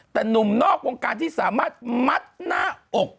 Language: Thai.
แต่หนุ่มนอกวงการที่สามารถมัดหน้าอก